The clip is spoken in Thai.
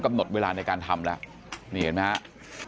กำหนดเวลาในการทำแล้วนี่เห็นไหมฮะ